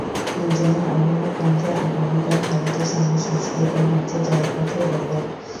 দুজনেই অভিন্ন কণ্ঠে আগামীকাল ভারতের সঙ্গে শেষ গ্রুপে ম্যাচে জয়ের কথাই বললেন।